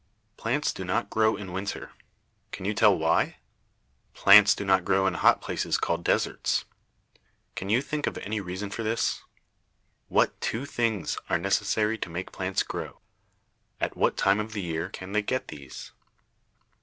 Plants do not grow in winter. Can you tell why? Plants do not grow in hot places called deserts. Can yon think of any reason for this? What two things are necessary to make plants grow? At what time of the year can they get these?